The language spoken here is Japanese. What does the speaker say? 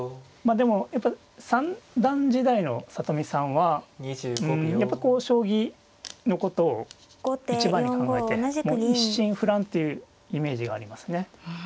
でもやっぱり三段時代の里見さんはうんやっぱこう将棋のことを一番に考えてもう一心不乱っていうイメージがありますね。